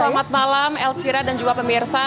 selamat malam elvira dan juga pemirsa